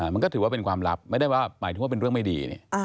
มันก็ถือว่าเป็นความลับไม่ได้ว่าหมายถึงว่าเป็นเรื่องไม่ดี